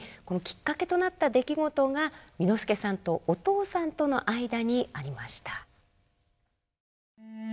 このきっかけとなった出来事が簑助さんとお父さんとの間にありました。